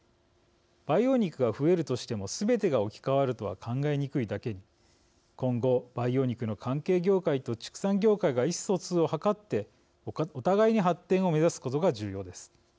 培養肉が増えるとしてもすべてが置き換わるとは考えにくいだけに今後、培養肉の関係業界と畜産業界が意思疎通を図ってお互いに発展を目指すことが重要です。